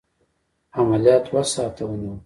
عملیات دوه ساعته ونیول.